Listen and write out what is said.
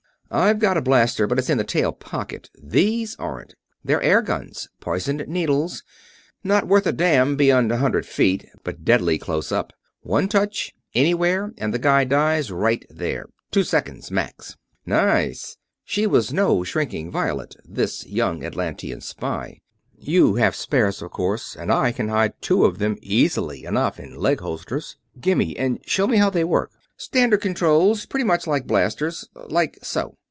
"I've got a blaster, but it's in the tail pocket. These aren't. They're air guns. Poisoned needles. Not worth a damn beyond a hundred feet, but deadly close up. One touch anywhere and the guy dies right then. Two seconds max." "Nice!" She was no shrinking violet this young Atlantean spy. "You have spares, of course, and I can hide two of them easily enough in leg holsters. Gimme, and show me how they work." "Standard controls, pretty much like blasters. Like so."